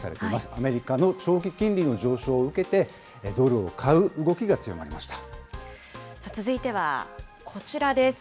アメリカの長期金利の上昇を受けて、ドルを買う動きが強まりまし続いては、こちらです。